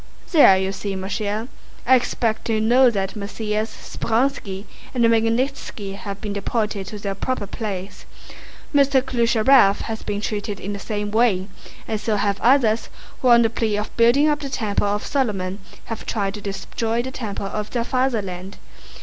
"There, you see, mon cher! I expect you know that Messrs. Speránski and Magnítski have been deported to their proper place. Mr. Klyucharëv has been treated in the same way, and so have others who on the plea of building up the temple of Solomon have tried to destroy the temple of their fatherland.